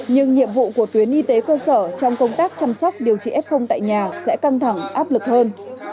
nhưng nhiệm vụ của tuyến y tế cơ sở trong công tác chăm sóc điều trị f tại nhà sẽ căng thẳng áp lực hơn